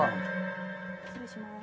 失礼します